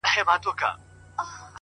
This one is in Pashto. که به ډنډ ته د سېلۍ په زور رسېږم!.